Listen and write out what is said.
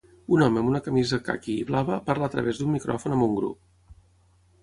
Un home amb una camisa caqui i blava parla a través d'un micròfon amb un grup